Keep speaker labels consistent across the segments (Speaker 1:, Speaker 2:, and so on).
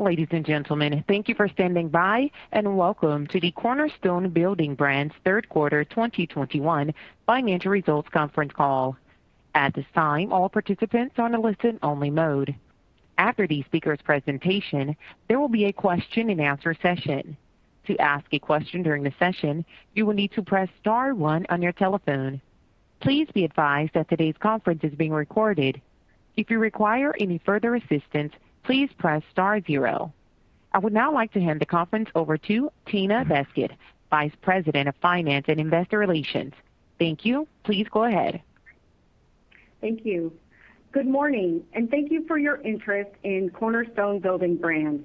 Speaker 1: Ladies and gentlemen, thank you for standing by, and welcome to the Cornerstone Building Brands Third Quarter 2021 Financial Results Conference Call. At this time, all participants are in a listen only mode. After the speaker's presentation, there will be a question and answer session. To ask a question during the session, you will need to press star one on your telephone. Please be advised that today's conference is being recorded. If you require any further assistance, please press star zero. I would now like to hand the conference over to Tina Beskid, Vice President of Finance and Investor Relations. Thank you. Please go ahead.
Speaker 2: Thank you. Good morning, and thank you for your interest in Cornerstone Building Brands.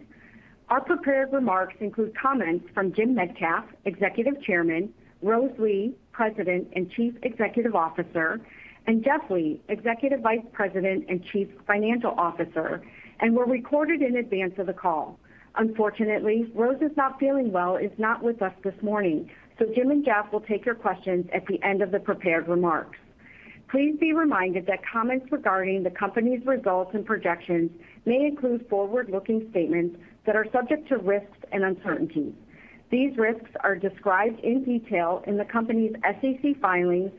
Speaker 2: Our prepared remarks include comments from Jim Metcalf, Executive Chairman, Rose Lee, President and Chief Executive Officer, and Jeff Lee, Executive Vice President and Chief Financial Officer, and were recorded in advance of the call. Unfortunately, Rose is not feeling well and is not with us this morning, so Jim and Jeff will take your questions at the end of the prepared remarks. Please be reminded that comments regarding the company's results and projections may include forward-looking statements that are subject to risks and uncertainties. These risks are described in detail in the company's SEC filings,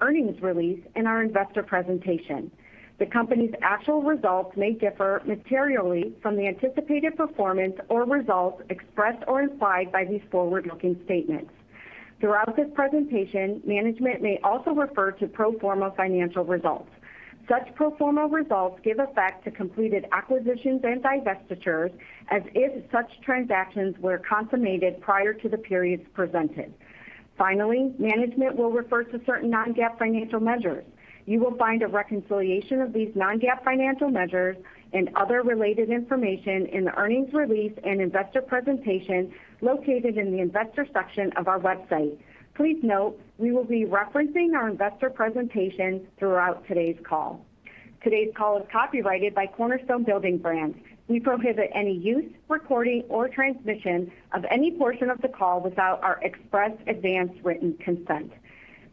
Speaker 2: earnings release and our investor presentation. The company's actual results may differ materially from the anticipated performance or results expressed or implied by these forward-looking statements. Throughout this presentation, management may also refer to pro forma financial results. Such pro forma results give effect to completed acquisitions and divestitures as if such transactions were consummated prior to the periods presented. Finally, management will refer to certain non-GAAP financial measures. You will find a reconciliation of these non-GAAP financial measures and other related information in the earnings release and investor presentation located in the Investor section of our website. Please note, we will be referencing our investor presentation throughout today's call. Today's call is copyrighted by Cornerstone Building Brands. We prohibit any use, recording or transmission of any portion of the call without our express advance written consent.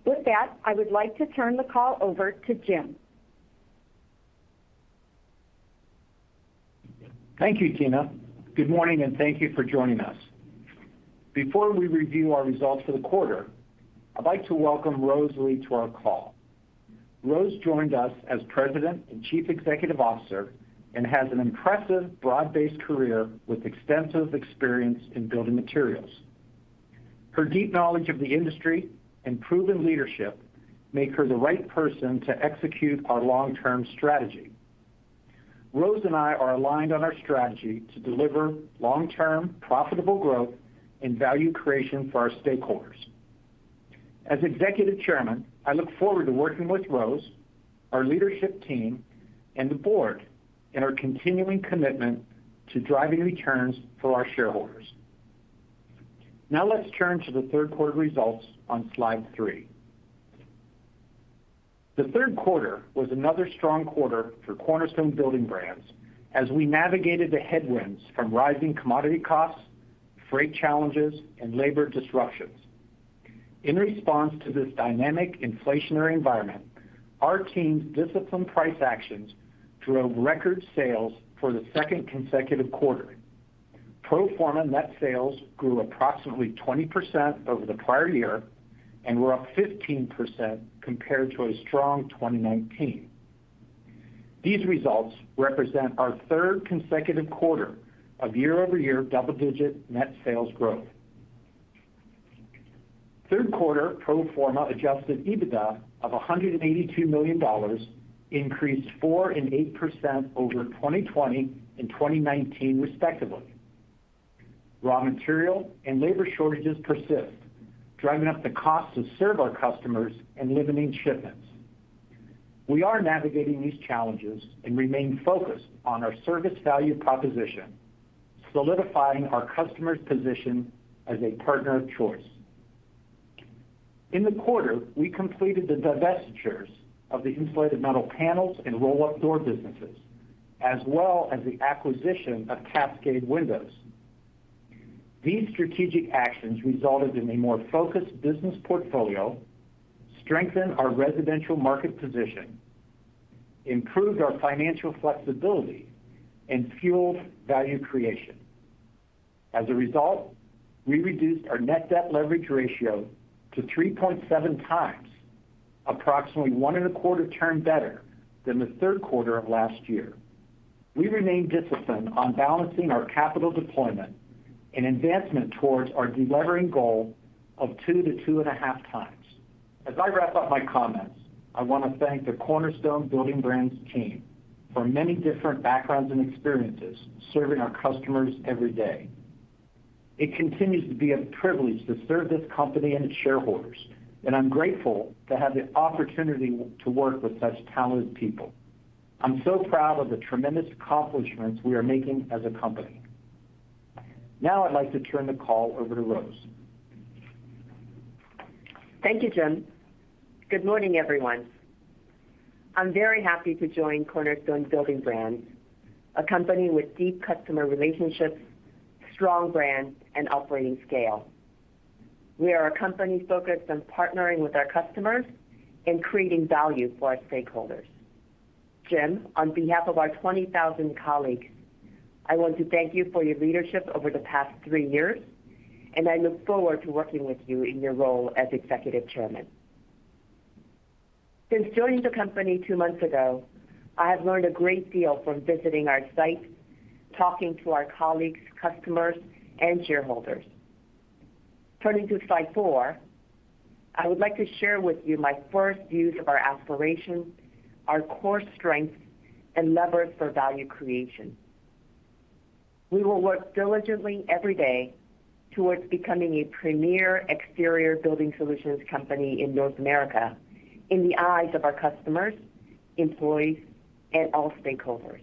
Speaker 2: With that, I would like to turn the call over to Jim.
Speaker 3: Thank you, Tina. Good morning, and thank you for joining us. Before we review our results for the quarter, I'd like to welcome Rose Lee to our call. Rose joined us as President and Chief Executive Officer and has an impressive broad-based career with extensive experience in building materials. Her deep knowledge of the industry and proven leadership make her the right person to execute our long-term strategy. Rose and I are aligned on our strategy to deliver long-term profitable growth and value creation for our stakeholders. As Executive Chairman, I look forward to working with Rose, our leadership team, and the board in our continuing commitment to driving returns for our shareholders. Now let's turn to the third quarter results on slide 3. The third quarter was another strong quarter for Cornerstone Building Brands as we navigated the headwinds from rising commodity costs, freight challenges and labor disruptions. In response to this dynamic inflationary environment, our team's disciplined price actions drove record sales for the second consecutive quarter. Pro forma net sales grew approximately 20% over the prior year and were up 15% compared to a strong 2019. These results represent our third consecutive quarter of year-over-year double-digit net sales growth. Third quarter pro forma adjusted EBITDA of $182 million increased 4% and 8% over 2020 and 2019 respectively. Raw material and labor shortages persist, driving up the cost to serve our customers and limiting shipments. We are navigating these challenges and remain focused on our service value proposition, solidifying our customers' position as a partner of choice. In the quarter, we completed the divestitures of the insulated metal panels and roll-up door businesses, as well as the acquisition of Cascade Windows. These strategic actions resulted in a more focused business portfolio, strengthened our residential market position, improved our financial flexibility, and fueled value creation. As a result, we reduced our net debt leverage ratio to 3.7x, approximately 1.25x turn better than the third quarter of last year. We remain disciplined on balancing our capital deployment and advancement towards our delevering goal of 2x-2.5x. As I wrap up my comments, I want to thank the Cornerstone Building Brands team from many different backgrounds and experiences serving our customers every day. It continues to be a privilege to serve this company and its shareholders, and I'm grateful to have the opportunity to work with such talented people. I'm so proud of the tremendous accomplishments we are making as a company. Now I'd like to turn the call over to Rose.
Speaker 4: Thank you, Jim. Good morning, everyone. I'm very happy to join Cornerstone Building Brands, a company with deep customer relationships, strong brands, and operating scale. We are a company focused on partnering with our customers and creating value for our stakeholders. Jim, on behalf of our 20,000 colleagues, I want to thank you for your leadership over the past three years, and I look forward to working with you in your role as Executive Chairman. Since joining the company two months ago, I have learned a great deal from visiting our sites, talking to our colleagues, customers, and shareholders. Turning to slide 4, I would like to share with you my first views of our aspirations, our core strengths, and levers for value creation. We will work diligently every day towards becoming a premier exterior building solutions company in North America in the eyes of our customers, employees, and all stakeholders.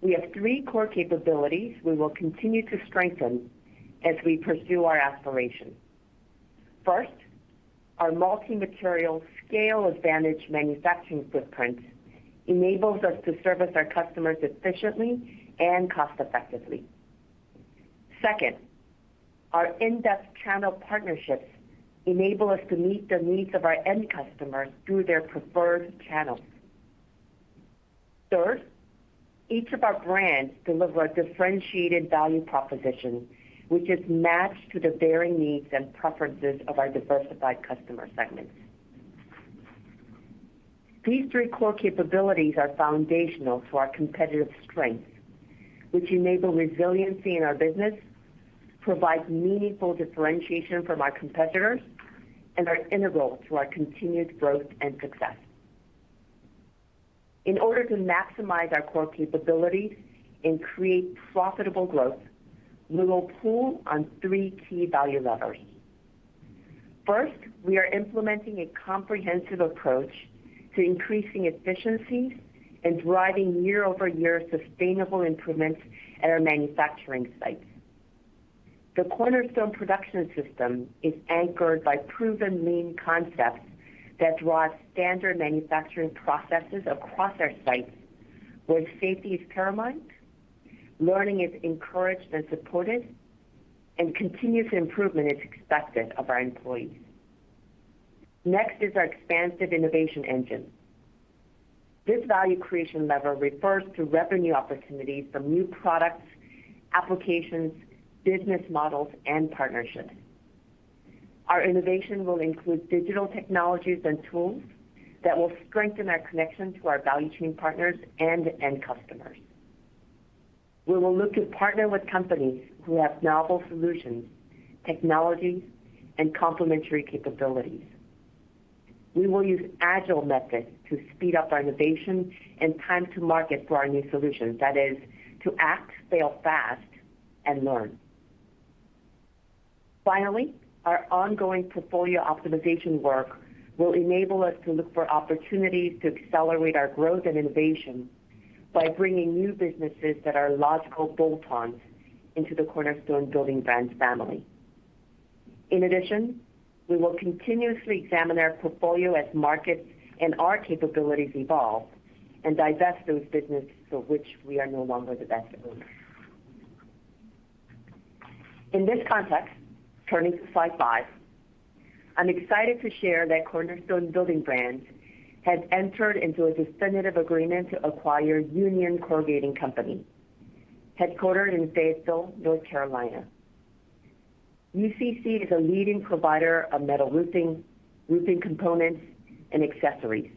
Speaker 4: We have three core capabilities we will continue to strengthen as we pursue our aspirations. First, our multi-material scale advantage manufacturing footprint enables us to service our customers efficiently and cost effectively. Second, our in-depth channel partnerships enable us to meet the needs of our end customers through their preferred channels. Third, each of our brands deliver a differentiated value proposition, which is matched to the varying needs and preferences of our diversified customer segments. These three core capabilities are foundational to our competitive strengths, which enable resiliency in our business, provide meaningful differentiation from our competitors, and are integral to our continued growth and success. In order to maximize our core capabilities and create profitable growth, we will pull on three key value levers. First, we are implementing a comprehensive approach to increasing efficiencies and driving year-over-year sustainable improvements at our manufacturing sites. The Cornerstone Production System is anchored by proven lean concepts that drive standard manufacturing processes across our sites, where safety is paramount, learning is encouraged and supported, and continuous improvement is expected of our employees. Next is our expansive innovation engine. This value creation lever refers to revenue opportunities from new products, applications, business models, and partnerships. Our innovation will include digital technologies and tools that will strengthen our connection to our value chain partners and end customers. We will look to partner with companies who have novel solutions, technologies, and complementary capabilities. We will use agile methods to speed up our innovation and time to market for our new solutions. That is, to act, fail fast, and learn. Finally, our ongoing portfolio optimization work will enable us to look for opportunities to accelerate our growth and innovation by bringing new businesses that are logical bolt-ons into the Cornerstone Building Brands family. In addition, we will continuously examine our portfolio as markets and our capabilities evolve and divest those businesses for which we are no longer the best owners. In this context, turning to slide 5, I'm excited to share that Cornerstone Building Brands has entered into a definitive agreement to acquire Union Corrugating Company, headquartered in Fayetteville, North Carolina. UCC is a leading provider of metal roofing components, and accessories.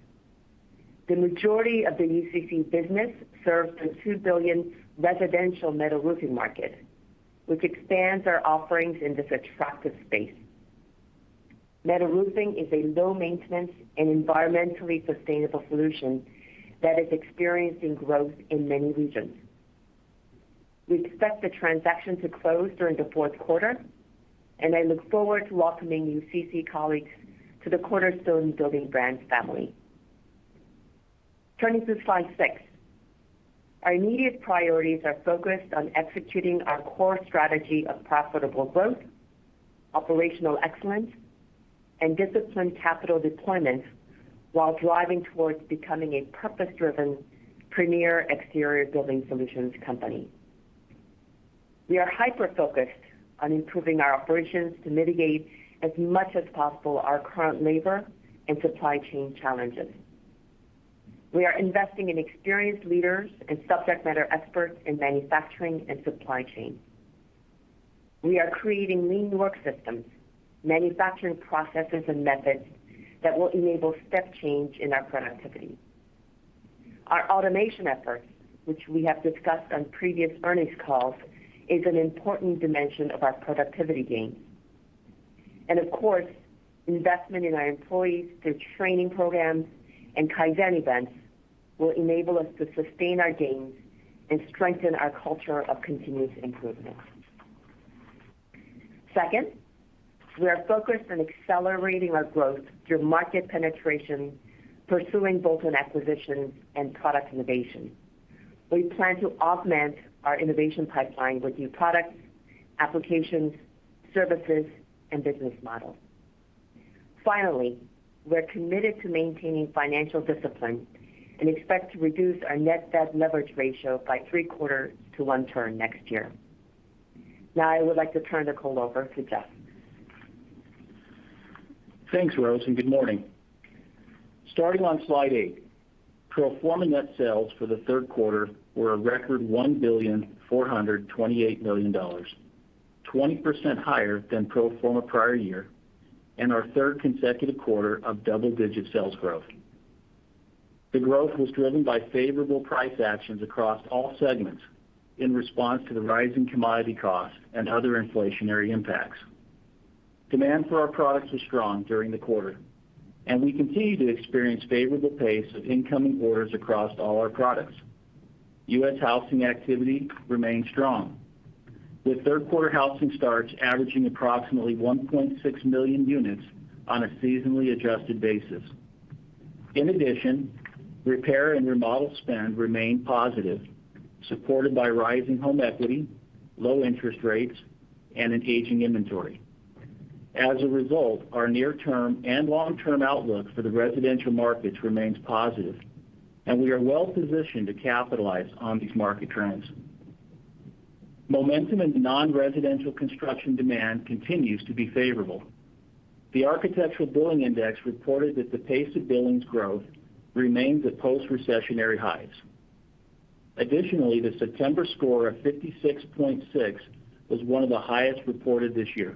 Speaker 4: The majority of the UCC business serves the $2 billion residential metal roofing market, which expands our offerings in this attractive space. Metal roofing is a low-maintenance and environmentally sustainable solution that is experiencing growth in many regions. We expect the transaction to close during the fourth quarter, and I look forward to welcoming UCC colleagues to the Cornerstone Building Brands family. Turning to slide 6. Our immediate priorities are focused on executing our core strategy of profitable growth, operational excellence, and disciplined capital deployment while driving towards becoming a purpose-driven premier exterior building solutions company. We are hyper-focused on improving our operations to mitigate as much as possible our current labor and supply chain challenges. We are investing in experienced leaders and subject matter experts in manufacturing and supply chain. We are creating lean work systems, manufacturing processes, and methods that will enable step change in our productivity. Our automation efforts, which we have discussed on previous earnings calls, is an important dimension of our productivity gains. Of course, investment in our employees through training programs and Kaizen events will enable us to sustain our gains and strengthen our culture of continuous improvement. Second, we are focused on accelerating our growth through market penetration, pursuing bolt-on acquisitions, and product innovation. We plan to augment our innovation pipeline with new products, applications, services, and business models. Finally, we're committed to maintaining financial discipline and expect to reduce our net debt leverage ratio by three-quarters to one turn next year. Now I would like to turn the call over to Jeff.
Speaker 5: Thanks, Rose, and good morning. Starting on slide 8, pro forma net sales for the third quarter were a record $1.428 billion, 20% higher than pro forma prior year and our third consecutive quarter of double-digit sales growth. The growth was driven by favorable price actions across all segments in response to the rising commodity costs and other inflationary impacts. Demand for our products was strong during the quarter, and we continue to experience favorable pace of incoming orders across all our products. U.S. housing activity remained strong, with third-quarter housing starts averaging approximately 1.6 million units on a seasonally adjusted basis. In addition, repair and remodel spend remained positive, supported by rising home equity, low interest rates, and an aging inventory. As a result, our near-term and long-term outlook for the residential markets remains positive, and we are well positioned to capitalize on these market trends. Momentum in the non-residential construction demand continues to be favorable. The Architecture Billings Index reported that the pace of billings growth remains at post-recessionary highs. Additionally, the September score of 56.6 was one of the highest reported this year.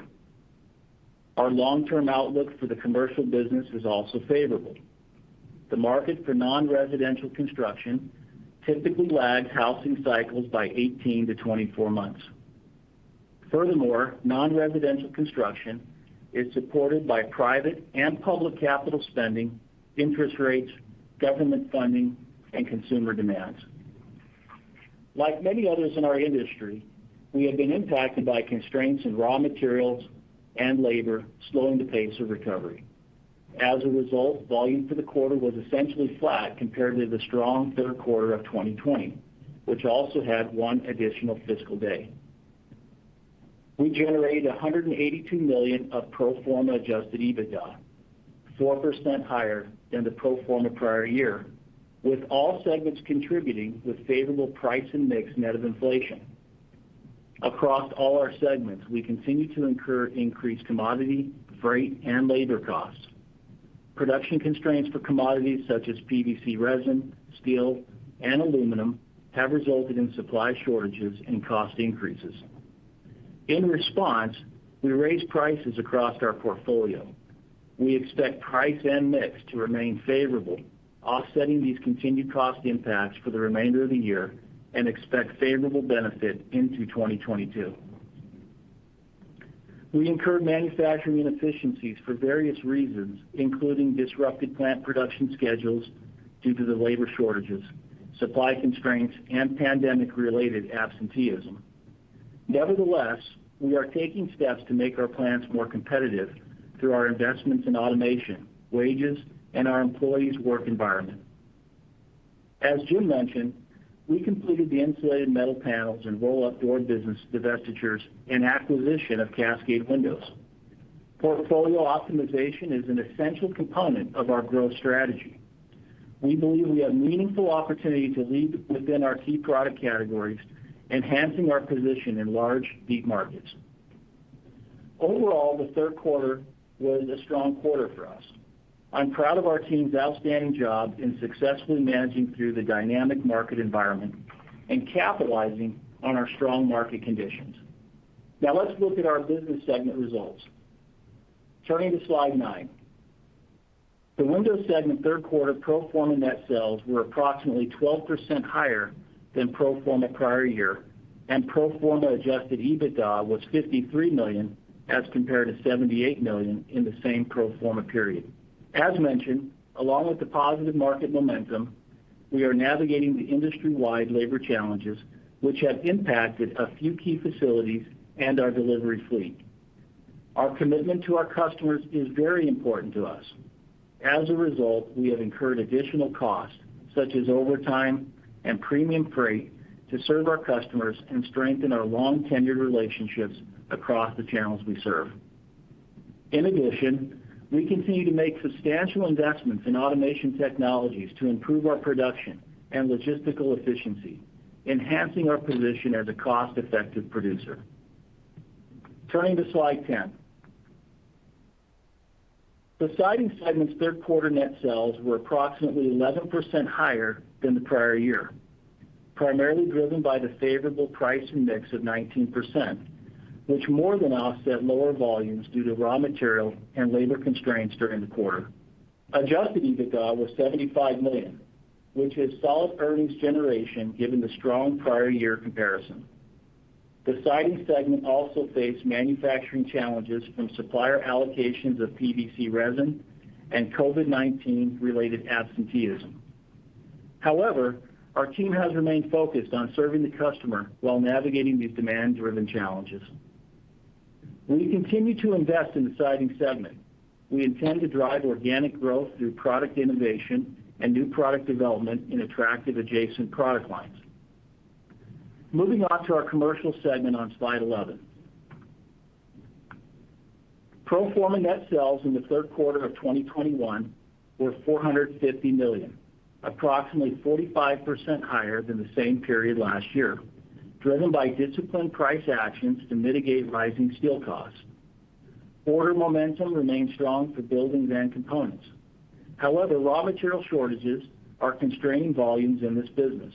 Speaker 5: Our long-term outlook for the commercial business is also favorable. The market for non-residential construction typically lags housing cycles by 18-24 months. Furthermore, non-residential construction is supported by private and public capital spending, interest rates, government funding, and consumer demands. Like many others in our industry, we have been impacted by constraints in raw materials and labor, slowing the pace of recovery. As a result, volume for the quarter was essentially flat compared to the strong third quarter of 2020, which also had one additional fiscal day. We generated $182 million of pro forma adjusted EBITDA, 4% higher than the pro forma prior year, with all segments contributing with favorable price and mix net of inflation. Across all our segments, we continue to incur increased commodity, freight, and labor costs. Production constraints for commodities such as PVC resin, steel, and aluminum have resulted in supply shortages and cost increases. In response, we raised prices across our portfolio. We expect price and mix to remain favorable, offsetting these continued cost impacts for the remainder of the year and expect favorable benefit into 2022. We incurred manufacturing inefficiencies for various reasons, including disrupted plant production schedules due to the labor shortages, supply constraints, and pandemic-related absenteeism. Nevertheless, we are taking steps to make our plants more competitive through our investments in automation, wages, and our employees' work environment. As Jim mentioned, we completed the insulated metal panels and roll-up door business divestitures and acquisition of Cascade Windows. Portfolio optimization is an essential component of our growth strategy. We believe we have meaningful opportunity to lead within our key product categories, enhancing our position in large, deep markets. Overall, the third quarter was a strong quarter for us. I'm proud of our team's outstanding job in successfully managing through the dynamic market environment and capitalizing on our strong market conditions. Now let's look at our business segment results. Turning to slide 9. The Windows segment third quarter pro forma net sales were approximately 12% higher than pro forma prior year, and pro forma adjusted EBITDA was $53 million as compared to $78 million in the same pro forma period. As mentioned, along with the positive market momentum, we are navigating the industry-wide labor challenges, which have impacted a few key facilities and our delivery fleet. Our commitment to our customers is very important to us. As a result, we have incurred additional costs, such as overtime and premium freight, to serve our customers and strengthen our long-tenured relationships across the channels we serve. In addition, we continue to make substantial investments in automation technologies to improve our production and logistical efficiency, enhancing our position as a cost-effective producer. Turning to slide 10. The Siding segment's third quarter net sales were approximately 11% higher than the prior year, primarily driven by the favorable price and mix of 19%, which more than offset lower volumes due to raw material and labor constraints during the quarter. Adjusted EBITDA was $75 million, which is solid earnings generation given the strong prior year comparison. The Siding segment also faced manufacturing challenges from supplier allocations of PVC resin and COVID-19-related absenteeism. However, our team has remained focused on serving the customer while navigating these demand-driven challenges. We continue to invest in the Siding segment. We intend to drive organic growth through product innovation and new product development in attractive adjacent product lines. Moving on to our commercial segment on slide 11. Pro forma net sales in the third quarter of 2021 were $450 million, approximately 45% higher than the same period last year, driven by disciplined price actions to mitigate rising steel costs. Order momentum remains strong for buildings and components. However, raw material shortages are constraining volumes in this business.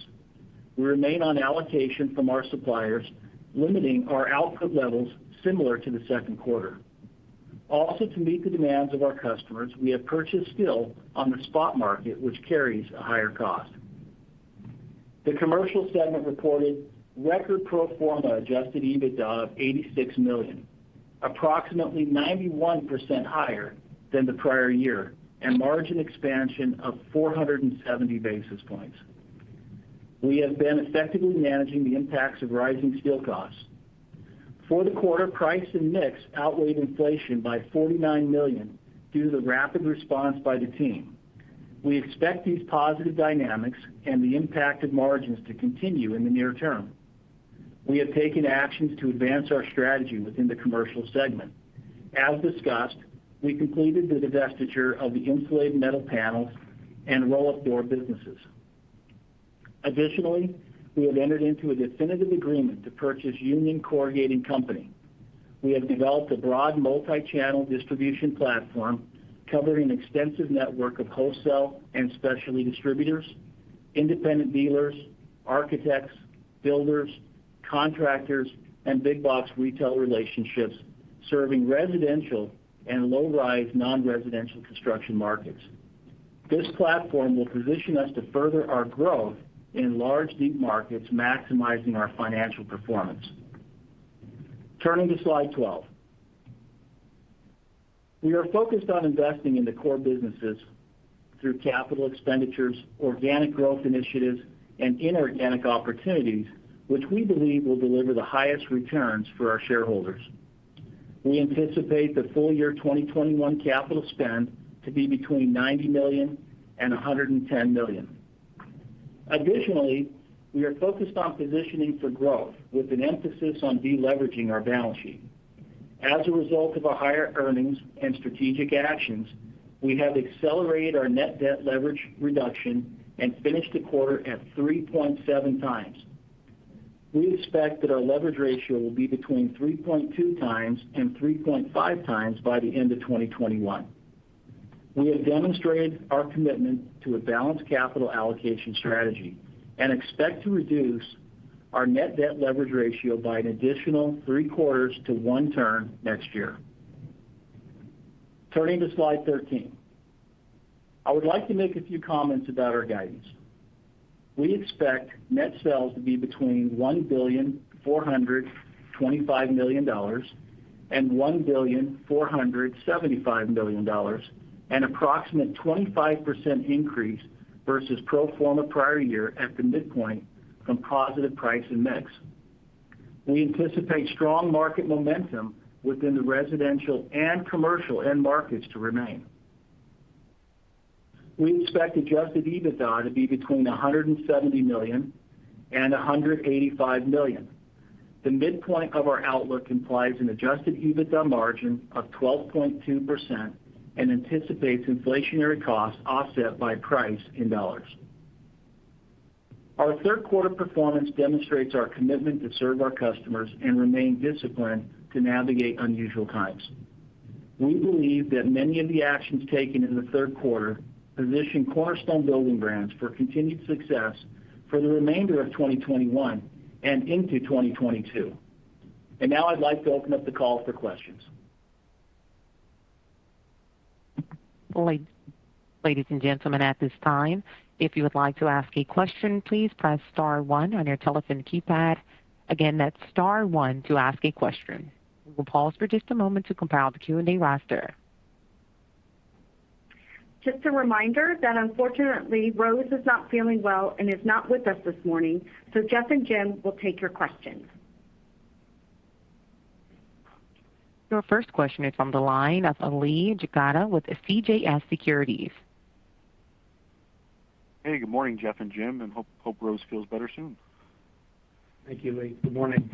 Speaker 5: We remain on allocation from our suppliers, limiting our output levels similar to the second quarter. Also, to meet the demands of our customers, we have purchased steel on the spot market, which carries a higher cost. The commercial segment reported record pro forma adjusted EBITDA of $86 million, approximately 91% higher than the prior year, and margin expansion of 470 basis points. We have been effectively managing the impacts of rising steel costs. For the quarter, price and mix outweighed inflation by $49 million due to the rapid response by the team. We expect these positive dynamics and the impact of margins to continue in the near term. We have taken actions to advance our strategy within the commercial segment. As discussed, we completed the divestiture of the insulated metal panels and roll-up door businesses. Additionally, we have entered into a definitive agreement to purchase Union Corrugating Company. We have developed a broad multi-channel distribution platform covering an extensive network of wholesale and specialty distributors, independent dealers, architects, builders, contractors, and big box retail relationships serving residential and low-rise non-residential construction markets. This platform will position us to further our growth in large deep markets, maximizing our financial performance. Turning to slide 12. We are focused on investing in the core businesses through capital expenditures, organic growth initiatives, and inorganic opportunities, which we believe will deliver the highest returns for our shareholders. We anticipate the full year 2021 capital spend to be between $90 million and $110 million. Additionally, we are focused on positioning for growth with an emphasis on de-leveraging our balance sheet. As a result of higher earnings and strategic actions, we have accelerated our net debt leverage reduction and finished the quarter at 3.7x. We expect that our leverage ratio will be between 3.2x and 3.5x by the end of 2021. We have demonstrated our commitment to a balanced capital allocation strategy and expect to reduce our net debt leverage ratio by an additional three-quarters to one turn next year. Turning to slide 13. I would like to make a few comments about our guidance. We expect net sales to be between $1.425 billion and $1.475 billion, an approximate 25% increase versus pro forma prior year at the midpoint from positive price and mix. We anticipate strong market momentum within the residential and commercial end markets to remain. We expect adjusted EBITDA to be between $170 million and $185 million. The midpoint of our outlook implies an adjusted EBITDA margin of 12.2% and anticipates inflationary costs offset by price in dollars. Our third quarter performance demonstrates our commitment to serve our customers and remain disciplined to navigate unusual times. We believe that many of the actions taken in the third quarter position Cornerstone Building Brands for continued success for the remainder of 2021 and into 2022. Now I'd like to open up the call for questions.
Speaker 1: Ladies and gentlemen, at this time, if you would like to ask a question, please press star one on your telephone keypad. Again, that's star one to ask a question. We will pause for just a moment to compile the Q&A roster.
Speaker 2: Just a reminder that unfortunately, Rose is not feeling well and is not with us this morning. Jeff and Jim will take your questions.
Speaker 1: Your first question is on the line of Lee Jagoda with CJS Securities.
Speaker 6: Hey, good morning, Jeff and Jim, and hope Rose feels better soon.
Speaker 3: Thank you, Lee. Good morning.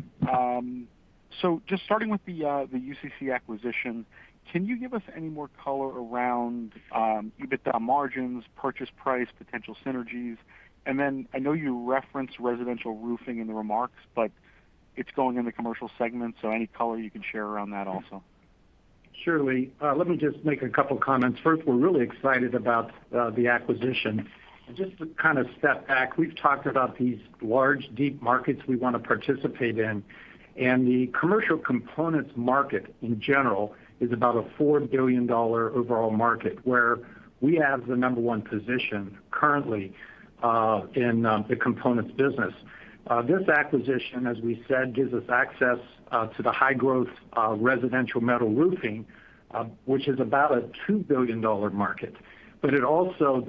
Speaker 6: Just starting with the UCC acquisition, can you give us any more color around EBITDA margins, purchase price, potential synergies? Then I know you referenced residential roofing in the remarks, but it's going in the commercial segment. Any color you can share around that also.
Speaker 3: Sure, Lee. Let me just make a couple of comments. First, we're really excited about the acquisition. Just to kind of step back, we've talked about these large, deep markets we want to participate in. The commercial components market in general is about a $4 billion overall market where we have the number one position currently in the components business. This acquisition, as we said, gives us access to the high-growth residential metal roofing, which is about a $2 billion market. But it also,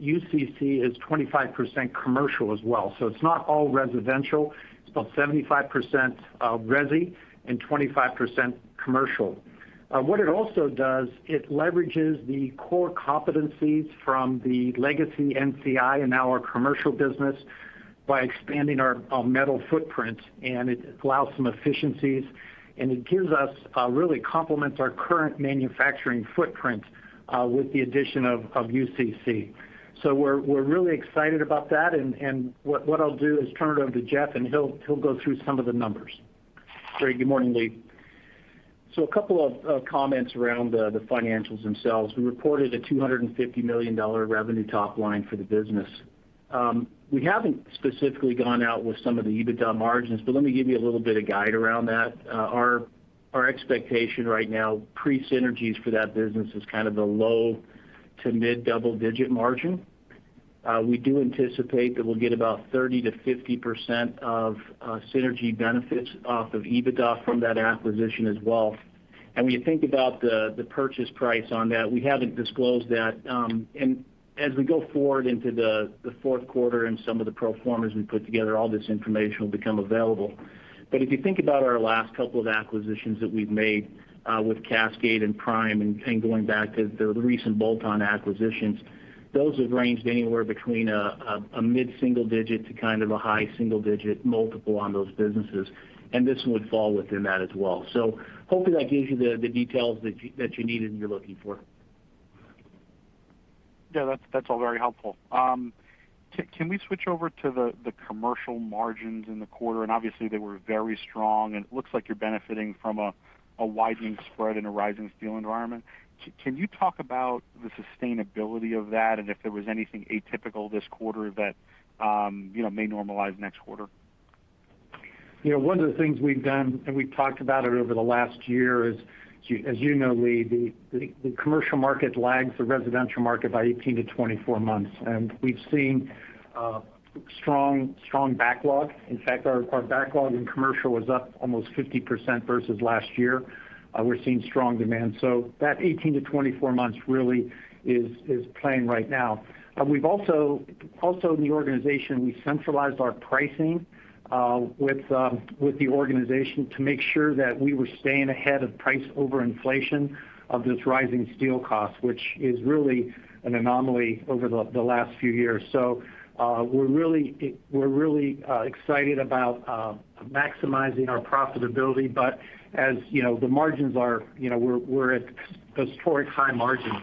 Speaker 3: UCC is 25% commercial as well. So it's not all residential. It's about 75% resi and 25% commercial. What it also does, it leverages the core competencies from the legacy NCI and now our commercial business by expanding our metal footprint, and it allows some efficiencies, and it really complements our current manufacturing footprint with the addition of UCC. We're really excited about that, and what I'll do is turn it over to Jeff, and he'll go through some of the numbers.
Speaker 5: Great. Good morning, Lee. A couple of comments around the financials themselves. We reported $250 million revenue top line for the business. We haven't specifically gone out with some of the EBITDA margins, but let me give you a little bit of guide around that. Our expectation right now, pre-synergies for that business is kind of the low- to mid-double-digit margin. We do anticipate that we'll get about 30%-50% of synergy benefits off of EBITDA from that acquisition as well. When you think about the purchase price on that, we haven't disclosed that, and as we go forward into the fourth quarter and some of the pro formas we put together, all this information will become available. If you think about our last couple of acquisitions that we've made with Cascade and Prime and going back to the recent bolt-on acquisitions, those have ranged anywhere between a mid-single digit to kind of a high single digit multiple on those businesses, and this would fall within that as well. Hopefully that gives you the details that you needed and you're looking for.
Speaker 6: Yeah, that's all very helpful. Can we switch over to the commercial margins in the quarter? Obviously they were very strong, and it looks like you're benefiting from a widening spread in a rising steel environment. Can you talk about the sustainability of that, and if there was anything atypical this quarter that, you know, may normalize next quarter?
Speaker 3: You know, one of the things we've done, and we've talked about it over the last year, is, as you know Lee, the commercial market lags the residential market by 18-24 months. We've seen strong backlog. In fact, our backlog in commercial was up almost 50% versus last year. We're seeing strong demand. So that 18-24 months really is playing right now. We've also in the organization centralized our pricing with the organization to make sure that we were staying ahead of price overinflation of this rising steel cost, which is really an anomaly over the last few years. So, we're really excited about maximizing our profitability. As you know, the margins are, you know, we're at historic high margins.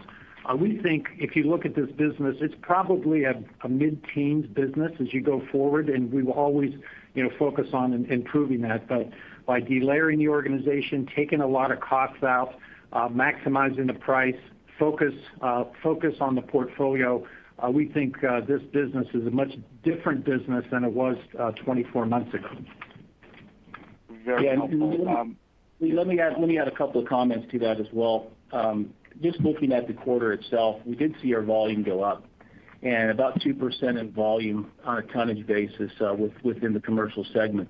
Speaker 3: We think if you look at this business, it's probably a mid-teens business as you go forward, and we will always, you know, focus on improving that. But by delayering the organization, taking a lot of costs out, maximizing the price focus on the portfolio, we think this business is a much different business than it was 24 months ago.
Speaker 6: Very helpful.
Speaker 5: Yeah, and Lee, let me add a couple of comments to that as well. Just looking at the quarter itself, we did see our volume go up, and about 2% in volume on a tonnage basis, within the commercial segment.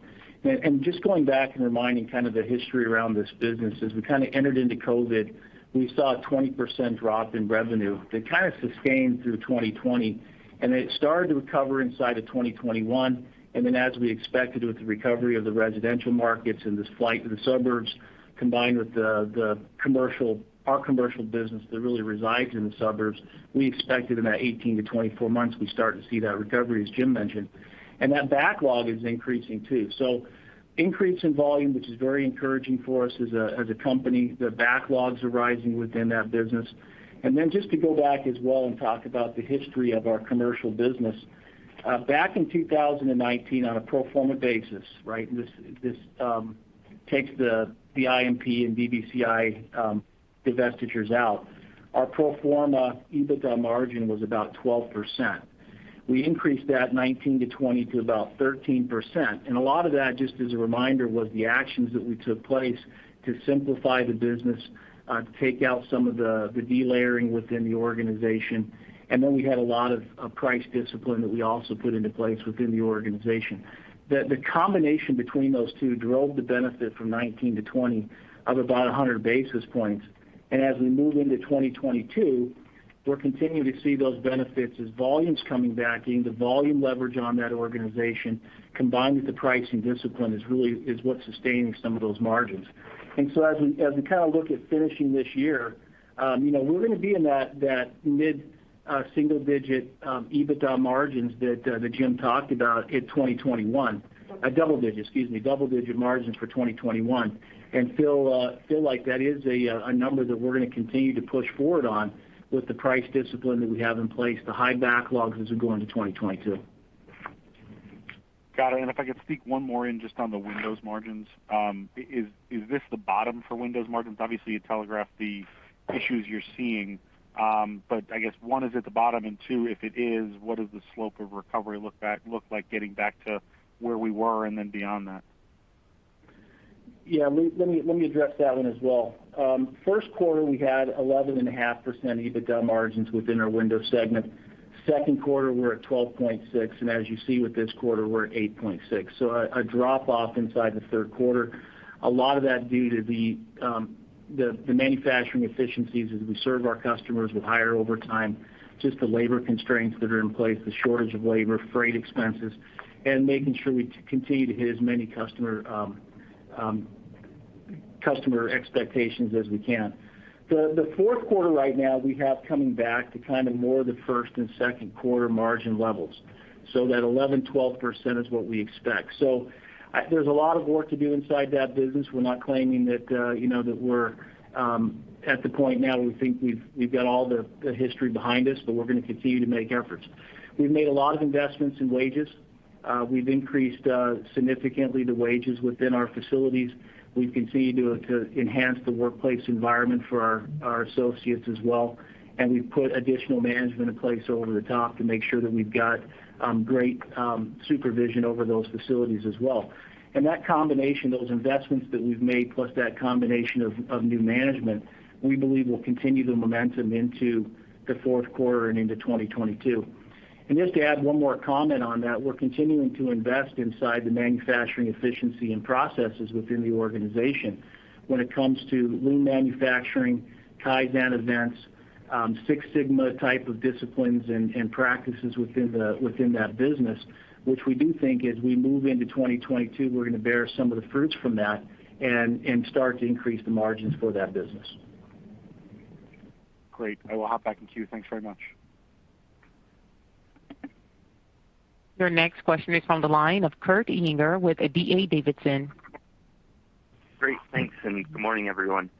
Speaker 5: Just going back and reminding kind of the history around this business, as we kind of entered into COVID, we saw a 20% drop in revenue that kind of sustained through 2020, and it started to recover inside of 2021. Then as we expected with the recovery of the residential markets and this flight to the suburbs, combined with the commercial, our commercial business that really resides in the suburbs, we expected in that 18-24 months, we start to see that recovery, as Jim mentioned. That backlog is increasing too. Increase in volume, which is very encouraging for us as a company. The backlogs are rising within that business. Then just to go back as well and talk about the history of our commercial business. Back in 2019 on a pro forma basis, this takes the IMP and DBCI divestitures out. Our pro forma EBITDA margin was about 12%. We increased that 2019 to 2020 to about 13%. A lot of that, just as a reminder, was the actions that we took to simplify the business, to take out some of the delayering within the organization. Then we had a lot of price discipline that we also put into place within the organization. The combination between those two drove the benefit from 2019 to 2020 of about 100 basis points. As we move into 2022, we're continuing to see those benefits as volume's coming back, getting the volume leverage on that organization combined with the pricing discipline is really what's sustaining some of those margins. As we kind of look at finishing this year, you know, we're gonna be in that mid single digit EBITDA margins that Jim talked about in 2021. Double digit margins for 2021. Feel like that is a number that we're gonna continue to push forward on with the price discipline that we have in place, the high backlogs as we go into 2022.
Speaker 6: Got it. If I could sneak one more in just on the windows margins. Is this the bottom for windows margins? Obviously, you telegraphed the issues you're seeing. I guess, one, is it the bottom? Two, if it is, what does the slope of recovery look like getting back to where we were and then beyond that?
Speaker 5: Yeah. Lee, let me address that one as well. First quarter we had 11.5% EBITDA margins within our Windows segment. Second quarter we're at 12.6%, and as you see with this quarter, we're at 8.6%. A drop off inside the third quarter. A lot of that due to the manufacturing efficiencies as we serve our customers with higher overtime, just the labor constraints that are in place, the shortage of labor, freight expenses, and making sure we continue to hit as many customer expectations as we can. The fourth quarter right now, we're coming back to kind of more the first and second quarter margin levels. That 11%-12% is what we expect. There's a lot of work to do inside that business. We're not claiming that, you know, that we're at the point now we think we've got all the history behind us, but we're gonna continue to make efforts. We've made a lot of investments in wages. We've increased significantly the wages within our facilities. We've continued to enhance the workplace environment for our associates as well, and we've put additional management in place over the top to make sure that we've got great supervision over those facilities as well. That combination, those investments that we've made, plus that combination of new management, we believe will continue the momentum into the fourth quarter and into 2022. Just to add one more comment on that, we're continuing to invest inside the manufacturing efficiency and processes within the organization when it comes to lean manufacturing, Kaizen events, Six Sigma type of disciplines and practices within that business, which we do think as we move into 2022, we're gonna bear some of the fruits from that and start to increase the margins for that business.
Speaker 6: Great. I will hop back in queue. Thanks very much.
Speaker 1: Your next question is from the line of Kurt Yinger with D.A. Davidson.
Speaker 7: Great. Thanks, and good morning, everyone.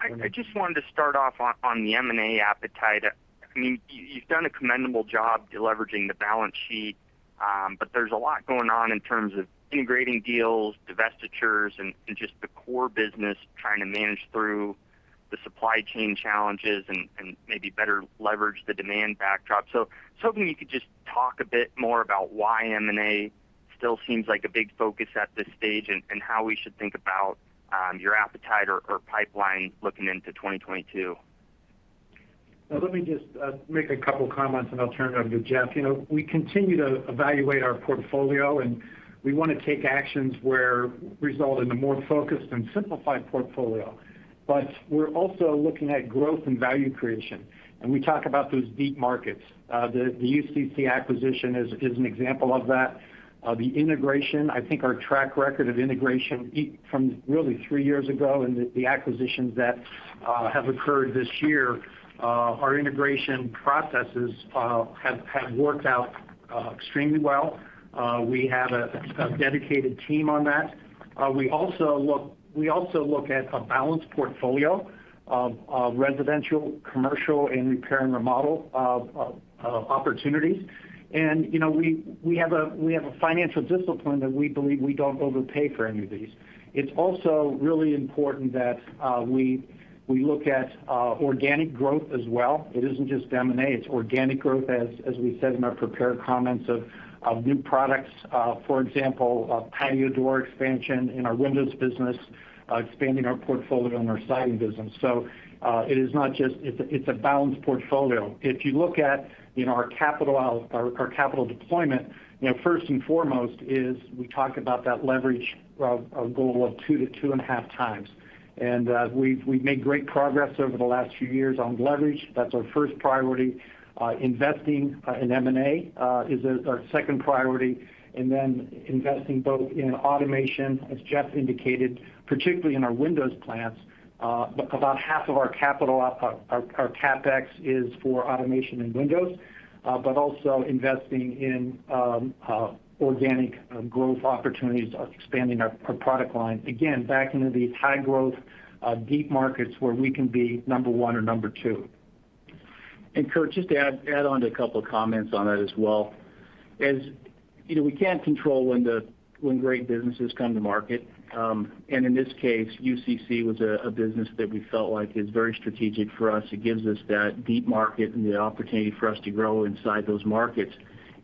Speaker 3: Good morning.
Speaker 7: I just wanted to start off on the M&A appetite. I mean, you've done a commendable job deleveraging the balance sheet, but there's a lot going on in terms of integrating deals, divestitures, and just the core business trying to manage through the supply chain challenges and maybe better leverage the demand backdrop. Hoping you could just talk a bit more about why M&A still seems like a big focus at this stage and how we should think about your appetite or pipeline looking into 2022.
Speaker 3: Now let me just make a couple comments, and I'll turn it over to Jeff. You know, we continue to evaluate our portfolio, and we wanna take actions that result in a more focused and simplified portfolio. We're also looking at growth and value creation, and we talk about those deep markets. The UCC acquisition is an example of that. The integration, I think our track record of integration from really three years ago and the acquisitions that have occurred this year, our integration processes have worked out extremely well. We have a dedicated team on that. We also look at a balanced portfolio of residential, commercial, and repair and remodel opportunities. You know, we have a financial discipline that we believe we don't overpay for any of these. It's also really important that we look at organic growth as well. It isn't just M&A, it's organic growth as we said in our prepared comments of new products. For example, patio door expansion in our windows business, expanding our portfolio in our siding business. It is not just. It's a balanced portfolio. If you look at, you know, our capital deployment, you know, first and foremost is we talk about that leverage goal of 2x-2.5x. We've made great progress over the last few years on leverage. That's our first priority. Investing in M&A is our second priority. Investing both in automation, as Jeff indicated, particularly in our windows plants, about half of our capital outlay, our CapEx is for automation and windows. But also investing in organic growth opportunities, expanding our product line, again, back into these high growth deep markets where we can be number 1 or number2.
Speaker 5: Kurt, just to add on to a couple of comments on that as well. As you know, we can't control when great businesses come to market. In this case, UCC was a business that we felt like is very strategic for us. It gives us that deep market and the opportunity for us to grow inside those markets.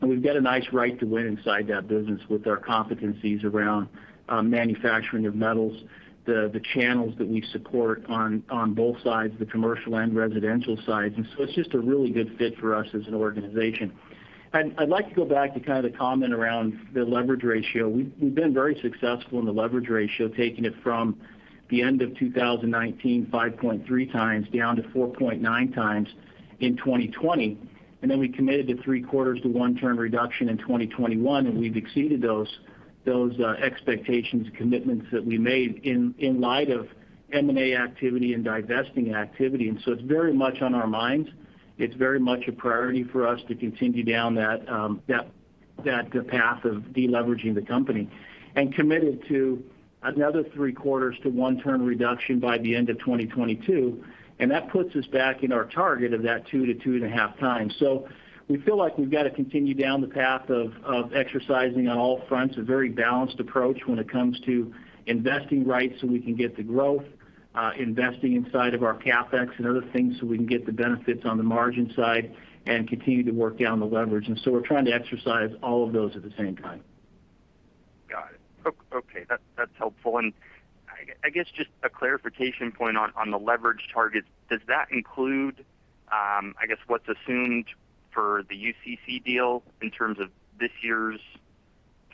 Speaker 5: We've got a nice right to win inside that business with our competencies around manufacturing of metals, the channels that we support on both sides, the commercial and residential sides. It's just a really good fit for us as an organization. I'd like to go back to kind of the comment around the leverage ratio. We've been very successful in the leverage ratio, taking it from the end of 2019, 5.3x down to 4.9x in 2020. We committed to three-quarters to one turn reduction in 2021, and we've exceeded those expectations, commitments that we made in light of M&A activity and divesting activity. It's very much on our minds. It's very much a priority for us to continue down that path of deleveraging the company and committed to another 0.75x-1x turn reduction by the end of 2022, and that puts us back in our target of that 2x-2.5x. We feel like we've got to continue down the path of exercising on all fronts, a very balanced approach when it comes to investing right so we can get the growth, investing inside of our CapEx and other things so we can get the benefits on the margin side and continue to work down the leverage. We're trying to exercise all of those at the same time.
Speaker 7: Got it. Okay, that's helpful. I guess just a clarification point on the leverage targets. Does that include, I guess what's assumed for the UCC deal in terms of this year's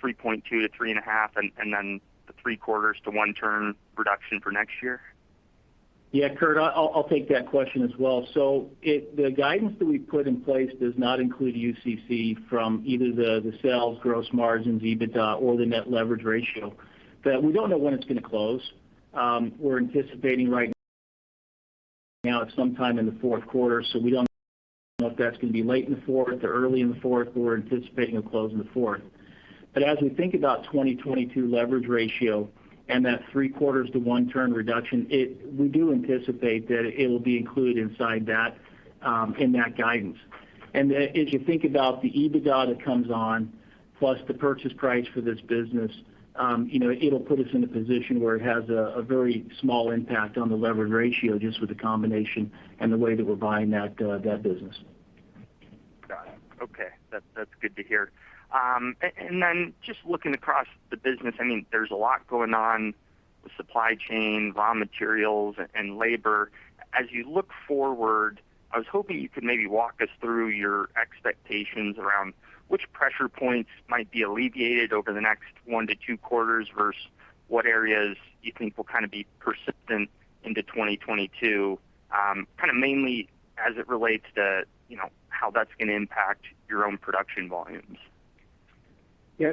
Speaker 7: 3.2x-3.5x and then the 0.75x-1x turn reduction for next year?
Speaker 5: Yeah, Kurt, I'll take that question as well. The guidance that we put in place does not include UCC from either the sales gross margins, EBITDA or the net leverage ratio. We don't know when it's gonna close. We're anticipating right now at some time in the fourth quarter, so we don't know if that's gonna be late in the fourth or early in the fourth, but we're anticipating a close in the fourth. As we think about 2022 leverage ratio and that 0.75x-1x turn reduction, it, we do anticipate that it will be included inside that, in that guidance. As you think about the EBITDA that comes on plus the purchase price for this business, you know, it'll put us in a position where it has a very small impact on the levered ratio, just with the combination and the way that we're buying that business.
Speaker 7: Got it. Okay. That's good to hear. And then just looking across the business, I mean, there's a lot going on with supply chain, raw materials, and labor. As you look forward, I was hoping you could maybe walk us through your expectations around which pressure points might be alleviated over the next 1-2 quarters versus what areas you think will kind of be persistent into 2022, kind of mainly as it relates to, you know, how that's gonna impact your own production volumes.
Speaker 5: Yeah.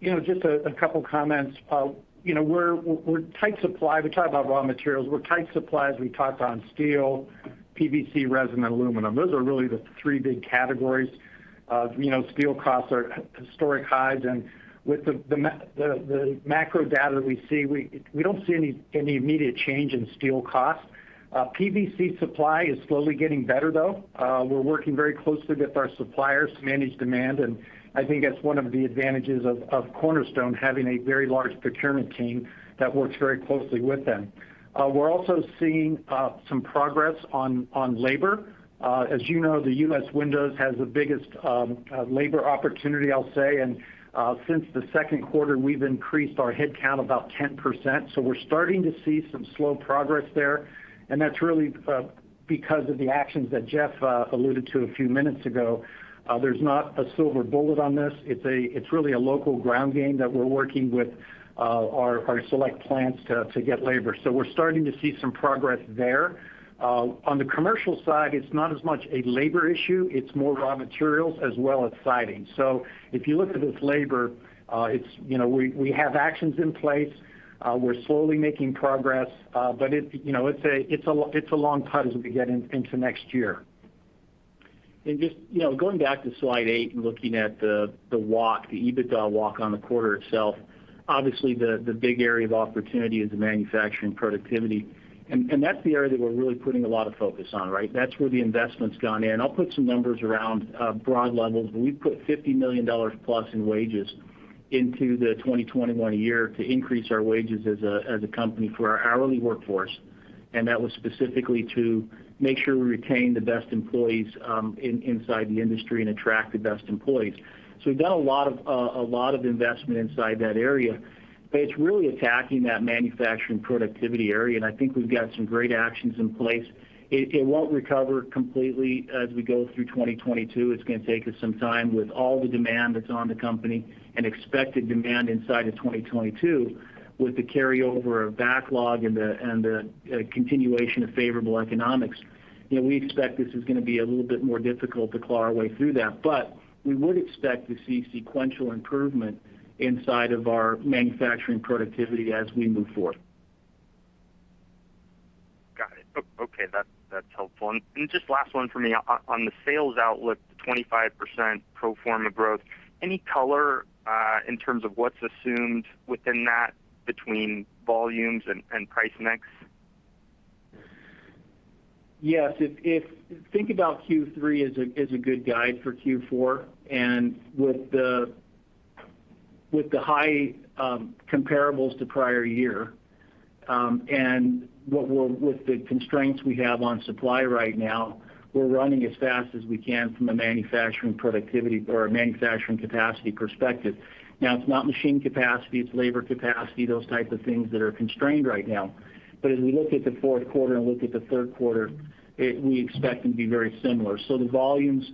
Speaker 5: You know, just a couple comments. You know, we're tight supply. We talked about raw materials. We're tight supply, as we talked on steel, PVC resin, and aluminum. Those are really the three big categories. You know, steel costs are at historic highs. With the macro data that we see, we don't see any immediate change in steel costs. PVC supply is slowly getting better, though. We're working very closely with our suppliers to manage demand, and I think that's one of the advantages of Cornerstone having a very large procurement team that works very closely with them. We're also seeing some progress on labor. As you know, the U.S. Windows has the biggest labor opportunity, I'll say.
Speaker 3: Since the second quarter, we've increased our headcount about 10%. We're starting to see some slow progress there, and that's really because of the actions that Jeff alluded to a few minutes ago. There's not a silver bullet on this. It's really a local ground game that we're working with our select plants to get labor. We're starting to see some progress there. On the commercial side, it's not as much a labor issue. It's more raw materials as well as siding. If you look at this labor, it's you know, we have actions in place. We're slowly making progress. But it, you know, it's a long tussle to get into next year. Just, you know, going back to slide 8 and looking at the EBITDA walk on the quarter itself, obviously the big area of opportunity is the manufacturing productivity. That's the area that we're really putting a lot of focus on, right? That's where the investment's gone in. I'll put some numbers around broad levels, but we've put $50 million plus in wages into the 2021 year to increase our wages as a company for our hourly workforce. That was specifically to make sure we retain the best employees inside the industry and attract the best employees. We've done a lot of investment inside that area. It's really attacking that manufacturing productivity area, and I think we've got some great actions in place. It won't recover completely as we go through 2022. It's gonna take us some time with all the demand that's on the company and expected demand inside of 2022 with the carryover of backlog and the continuation of favorable economics. You know, we expect this is gonna be a little bit more difficult to claw our way through that. We would expect to see sequential improvement inside of our manufacturing productivity as we move forward.
Speaker 7: Got it. Okay, that's helpful. Just last one for me. On the sales outlook, the 25% pro forma growth, any color in terms of what's assumed within that between volumes and price mix?
Speaker 5: Yes. If think about Q3 as a good guide for Q4. With the high comparables to prior year, with the constraints we have on supply right now, we're running as fast as we can from a manufacturing productivity or a manufacturing capacity perspective. Now, it's not machine capacity, it's labor capacity, those type of things that are constrained right now. As we look at the fourth quarter and look at the third quarter, we expect them to be very similar. The volumes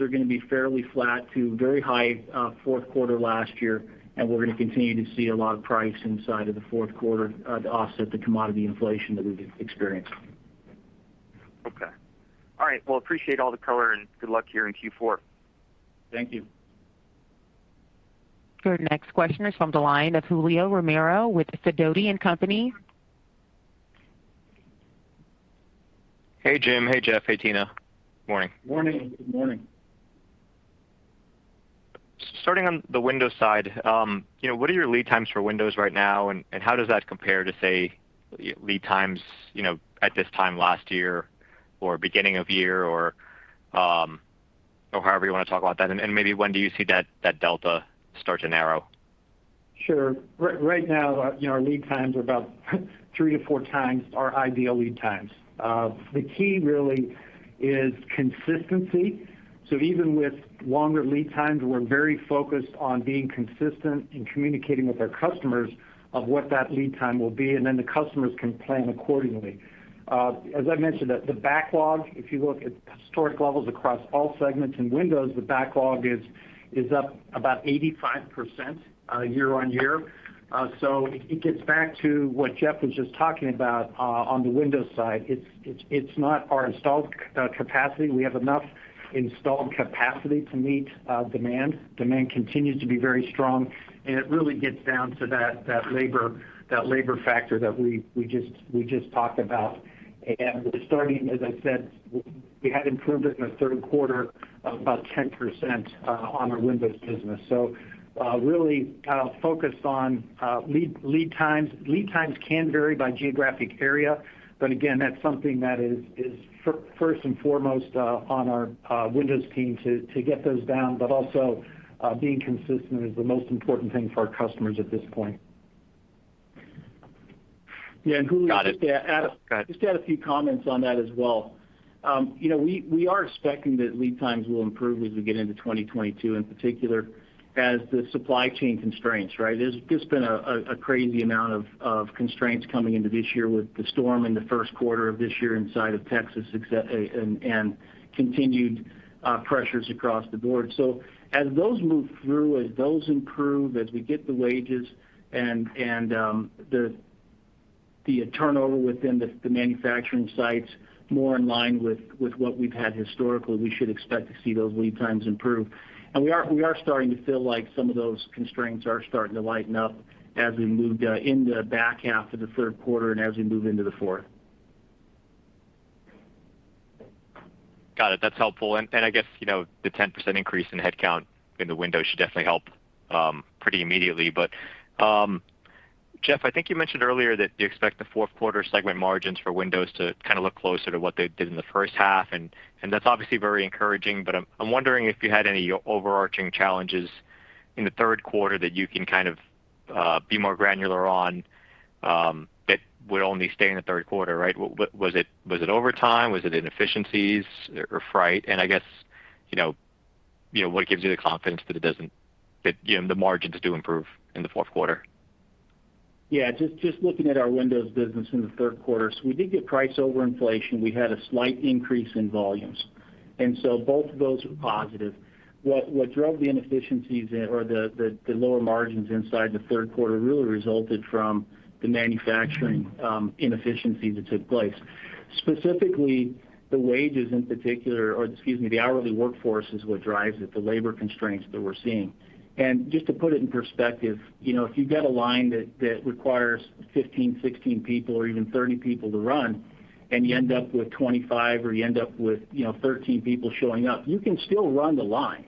Speaker 5: are gonna be fairly flat to very high fourth quarter last year, and we're gonna continue to see a lot of price inside of the fourth quarter to offset the commodity inflation that we've experienced.
Speaker 7: Okay. All right. Well, appreciate all the color, and good luck here in Q4.
Speaker 5: Thank you.
Speaker 1: Our next question is from the line of Julio Romero with Sidoti & Company.
Speaker 8: Hey, Jim. Hey, Jeff. Hey, Tina. Morning.
Speaker 5: Morning.
Speaker 3: Morning.
Speaker 8: Starting on the windows side, you know, what are your lead times for windows right now? And how does that compare to, say, lead times, you know, at this time last year or beginning of year or however you wanna talk about that? And maybe when do you see that delta start to narrow?
Speaker 3: Sure. Right now, you know, our lead times are about 3x-4x our ideal lead times. The key really is consistency. Even with longer lead times, we're very focused on being consistent in communicating with our customers of what that lead time will be, and then the customers can plan accordingly. As I mentioned, the backlog, if you look at historic levels across all segments in Windows, the backlog is up about 85%, year-on-year. It gets back to what Jeff was just talking about, on the Windows side. It's not our installed capacity. We have enough installed capacity to meet demand. Demand continues to be very strong, and it really gets down to that labor factor that we just talked about. Starting, as I said, we had improvement in the third quarter of about 10% on our windows business. Really focused on lead times. Lead times can vary by geographic area, but again, that's something that is first and foremost on our windows team to get those down, but also being consistent is the most important thing for our customers at this point.
Speaker 5: Yeah, Julio, just to add-
Speaker 8: Got it. Go ahead.
Speaker 5: Just to add a few comments on that as well. We are expecting that lead times will improve as we get into 2022, in particular, as the supply chain constraints, right? There's been a crazy amount of constraints coming into this year with the storm in the first quarter of this year inside of Texas, etc., and continued pressures across the board. As those move through, as those improve, as we get the wages and the turnover within the manufacturing sites more in line with what we've had historically, we should expect to see those lead times improve. We are starting to feel like some of those constraints are starting to lighten up as we move in the back half of the third quarter and as we move into the fourth.
Speaker 8: Got it. That's helpful. I guess, you know, the 10% increase in headcount in the Windows should definitely help pretty immediately. Jeff, I think you mentioned earlier that you expect the fourth quarter segment margins for Windows to kind of look closer to what they did in the first half, and that's obviously very encouraging. I'm wondering if you had any overarching challenges in the third quarter that you can kind of be more granular on, that would only stay in the third quarter, right? Was it overtime? Was it inefficiencies or freight? I guess, you know, what gives you the confidence that the margins do improve in the fourth quarter?
Speaker 5: Yeah. Just looking at our Windows business in the third quarter, so we did get price over inflation. We had a slight increase in volumes, and so both of those are positive. What drove the inefficiencies or the lower margins inside the third quarter really resulted from the manufacturing inefficiencies that took place. Specifically, the hourly workforce is what drives it, the labor constraints that we're seeing. Just to put it in perspective, you know, if you've got a line that requires 15, 16 people or even 30 people to run, and you end up with 25, or you end up with, you know, 13 people showing up, you can still run the line.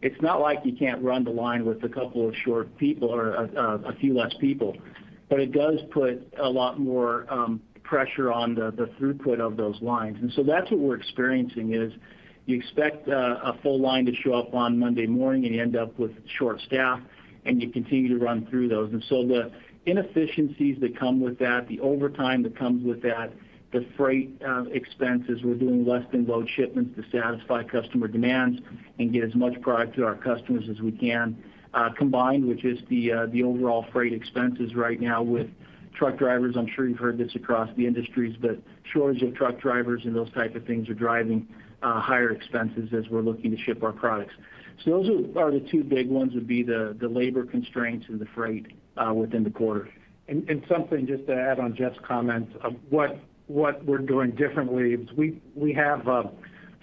Speaker 5: It's not like you can't run the line with a couple of short people or a few less people. It does put a lot more pressure on the throughput of those lines. That's what we're experiencing: you expect a full line to show up on Monday morning, and you end up with short staff, and you continue to run through those. The inefficiencies that come with that, the overtime that comes with that, the freight expenses, we're doing less than load shipments to satisfy customer demands and get as much product to our customers as we can. Combined with just the overall freight expenses right now with truck drivers, I'm sure you've heard this across the industries, but shortage of truck drivers and those type of things are driving higher expenses as we're looking to ship our products. Those are the two big ones, would be the labor constraints and the freight within the quarter.
Speaker 3: Something just to add on Jeff's comment of what we're doing differently is we have a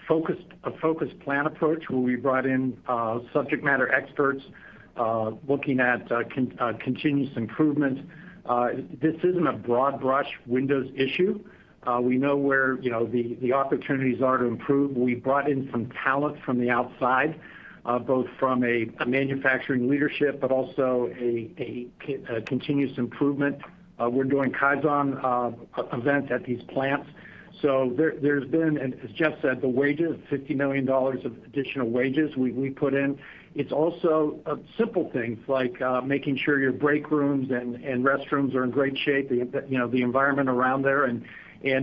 Speaker 3: focused plan approach where we brought in subject matter experts looking at continuous improvement. This isn't a broad brush windows issue. We know where, you know, the opportunities are to improve. We brought in some talent from the outside, both from a manufacturing leadership but also a continuous improvement. We're doing Kaizen events at these plants. There has been, as Jeff said, the wages, $50 million of additional wages we put in. It's also simple things like making sure your break rooms and restrooms are in great shape, you know, the environment around there and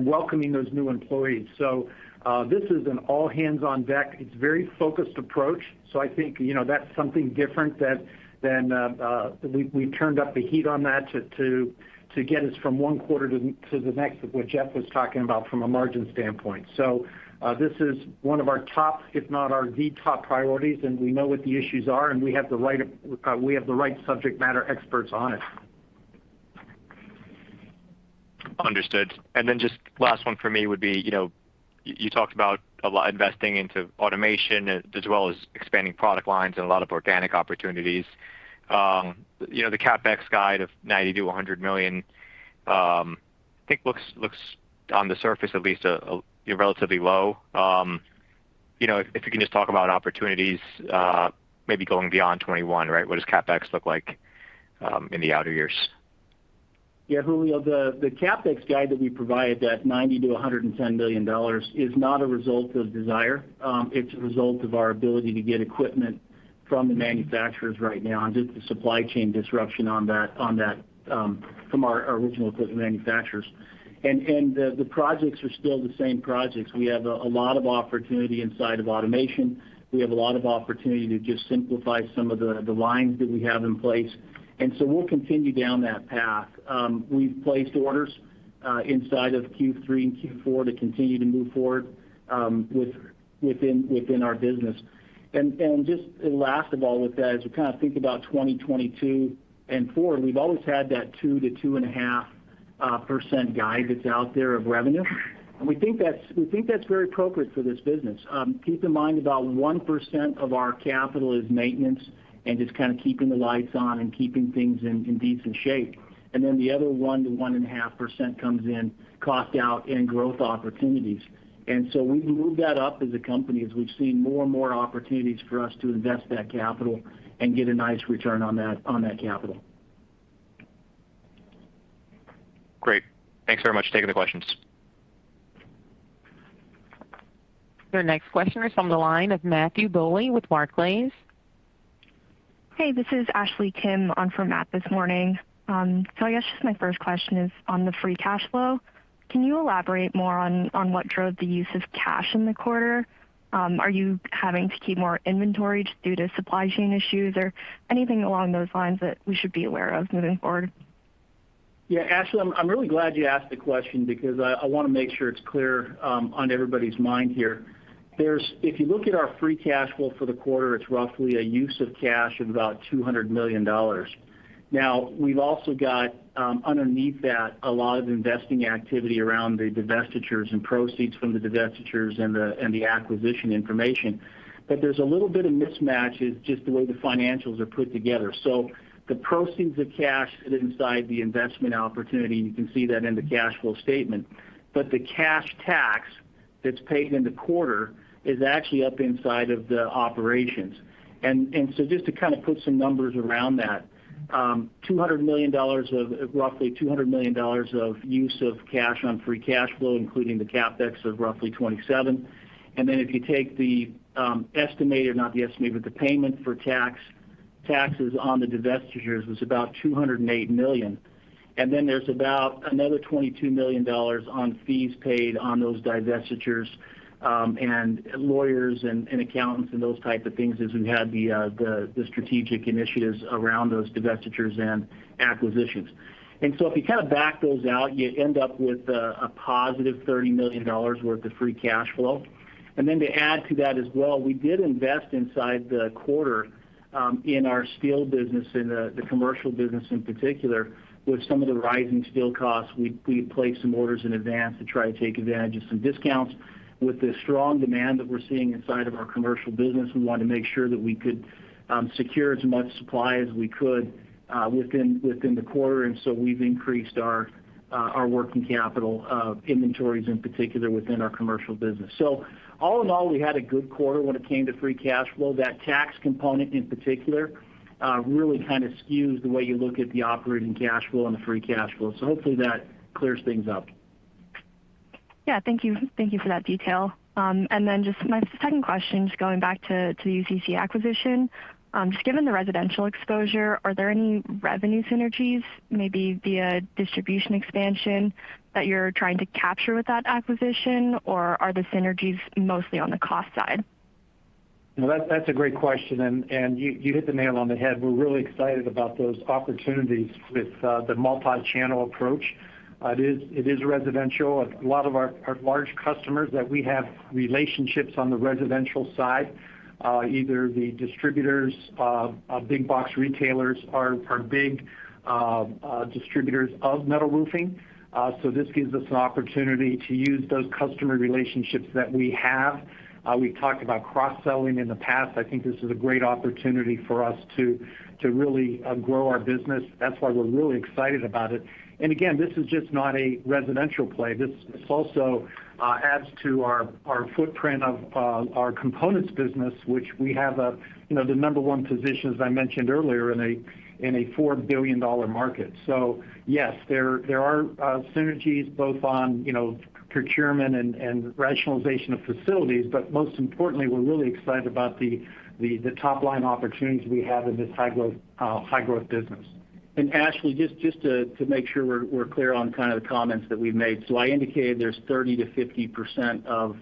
Speaker 3: welcoming those new employees. This is an all hands on deck. It's very focused approach. I think you know that's something different than we've turned up the heat on that to get us from one quarter to the next of what Jeff was talking about from a margin standpoint. This is one of our top, if not the top priorities, and we know what the issues are, and we have the right subject matter experts on it.
Speaker 8: Understood. Then just last one for me would be, you know, you talked about a lot investing into automation as well as expanding product lines and a lot of organic opportunities. You know, the CapEx guide of $90 million-$100 million, I think looks on the surface at least relatively low. You know, if you can just talk about opportunities maybe going beyond 2021, right? What does CapEx look like in the outer years?
Speaker 5: Yeah, Julio, the CapEx guide that we provided, that $90 million-$110 million is not a result of desire. It's a result of our ability to get equipment from the manufacturers right now and just the supply chain disruption on that from our original equipment manufacturers. The projects are still the same projects. We have a lot of opportunity inside of automation. We have a lot of opportunity to just simplify some of the lines that we have in place, so we'll continue down that path. We've placed orders inside of Q3 and Q4 to continue to move forward within our business. Just last of all with that, as you kind of think about 2022 and forward, we've always had that 2%-2.5% guide that's out there of revenue. We think that's very appropriate for this business. Keep in mind about 1% of our capital is maintenance, and just kind of keeping the lights on and keeping things in decent shape. Then the other 1%-1.5% comes in cost out and growth opportunities. We've moved that up as a company as we've seen more and more opportunities for us to invest that capital and get a nice return on that capital.
Speaker 8: Great. Thanks very much. Taking the questions.
Speaker 1: Your next question is on the line of Matthew Bouley with Barclays.
Speaker 9: Hey, this is Ashley Kim on for Matt this morning. I guess just my first question is on the free cash flow. Can you elaborate more on what drove the use of cash in the quarter? Are you having to keep more inventory just due to supply chain issues or anything along those lines that we should be aware of moving forward?
Speaker 5: Yeah, Ashley, I'm really glad you asked the question because I wanna make sure it's clear on everybody's mind here. There's. If you look at our free cash flow for the quarter, it's roughly a use of cash of about $200 million. Now, we've also got underneath that, a lot of investing activity around the divestitures and proceeds from the divestitures and the acquisition information. There's a little bit of mismatches just the way the financials are put together. The proceeds of cash sit inside the investing activities, and you can see that in the cash flow statement. The cash tax that's paid in the quarter is actually up inside of the operations. Just to kind of put some numbers around that, $200 million of roughly $200 million of use of cash on free cash flow, including the CapEx of roughly $27 million. If you take the payment for taxes on the divestitures was about $208 million. Then there's about another $22 million on fees paid on those divestitures, and lawyers and accountants and those type of things as we had the strategic initiatives around those divestitures and acquisitions. If you kind of back those out, you end up with a positive $30 million worth of free cash flow. To add to that as well, we did invest in the quarter in our steel business, in the commercial business in particular. With some of the rising steel costs, we placed some orders in advance to try to take advantage of some discounts. With the strong demand that we're seeing in our commercial business, we wanted to make sure that we could secure as much supply as we could within the quarter. We've increased our working capital inventories in particular within our commercial business. All in all, we had a good quarter when it came to free cash flow. That tax component in particular really kind of skews the way you look at the operating cash flow and the free cash flow. Hopefully that clears things up.
Speaker 9: Yeah. Thank you. Thank you for that detail. Just my second question, just going back to the UCC acquisition. Just given the residential exposure, are there any revenue synergies, maybe via distribution expansion that you're trying to capture with that acquisition? Or are the synergies mostly on the cost side?
Speaker 3: No, that's a great question. You hit the nail on the head. We're really excited about those opportunities with the multi-channel approach. It is residential. A lot of our large customers that we have relationships on the residential side, either the distributors, big box retailers are big distributors of metal roofing. This gives us an opportunity to use those customer relationships that we have. We talked about cross-selling in the past. I think this is a great opportunity for us to really grow our business. That's why we're really excited about it. Again, this is just not a residential play. This also adds to our footprint of our components business, which we have, you know, the number one position, as I mentioned earlier in a $4 billion market. Yes, there are synergies both on, you know, procurement and rationalization of facilities. Most importantly, we're really excited about the top line opportunities we have in this high growth business.
Speaker 5: Ashley, just to make sure we're clear on kind of the comments that we've made. I indicated there's 30%-50% of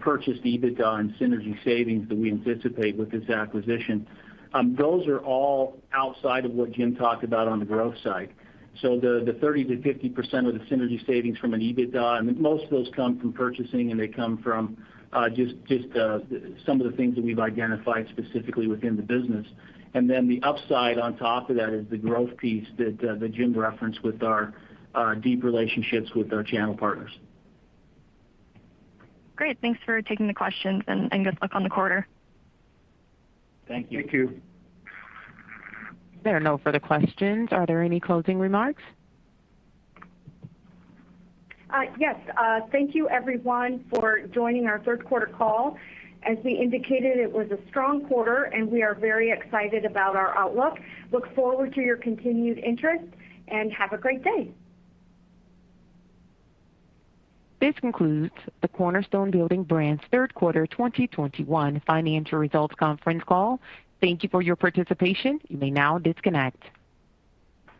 Speaker 5: purchased EBITDA and synergy savings that we anticipate with this acquisition. Those are all outside of what Jim talked about on the growth side. The 30%-50% of the synergy savings from an EBITDA, and most of those come from purchasing, and they come from just some of the things that we've identified specifically within the business. Then the upside on top of that is the growth piece that Jim referenced with our deep relationships with our channel partners.
Speaker 9: Great. Thanks for taking the questions and good luck on the quarter.
Speaker 5: Thank you.
Speaker 3: Thank you.
Speaker 1: There are no further questions. Are there any closing remarks?
Speaker 2: Thank you everyone for joining our third quarter call. As we indicated, it was a strong quarter, and we are very excited about our outlook. I look forward to your continued interest, and have a great day.
Speaker 1: This concludes the Cornerstone Building Brands third quarter 2021 financial results conference call. Thank you for your participation. You may now disconnect.